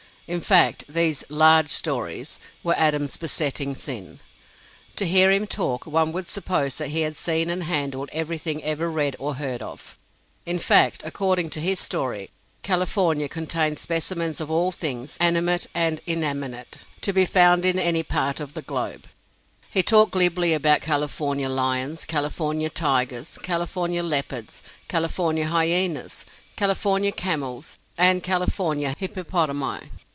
In fact, these "large stories" were Adam's "besetting sin." To hear him talk, one would suppose that he had seen and handled everything ever read or heard of. In fact, according to his story, California contained specimens of all things, animate and inanimate, to be found in any part of the globe. He talked glibly about California lions, California tigers, California leopards, California hyenas, California camels, and California hippopotami.